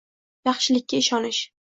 Yaxshilikka ishonish.